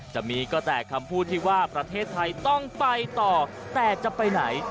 จะมีก็แต่คำพูดที่ว่าประเทศไทยต้องไปต่อแต่จะไปไหน